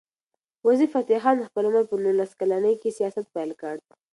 وزیرفتح خان د خپل عمر په نولس کلنۍ کې سیاست پیل کړ.